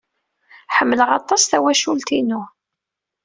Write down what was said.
Ḥemmleɣ aṭas tawacult-inu.